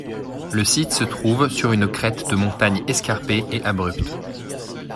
Le site se trouve sur une crête de montagne escarpée et abrupte.